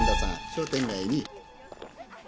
商店街に。